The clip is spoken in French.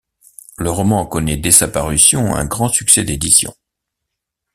Le roman connaît dès sa parution un grand succès d'édition.